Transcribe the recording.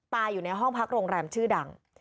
อยู่ในห้องพักโรงแรมชื่อดัง